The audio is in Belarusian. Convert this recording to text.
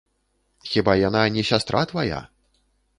Хіба яна не сястра твая?